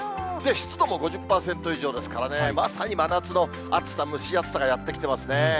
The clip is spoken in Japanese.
湿度も５０％以上ですからね、まさに真夏の暑さ、蒸し暑さがやって来てますね。